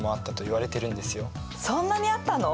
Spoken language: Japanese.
そんなにあったの！？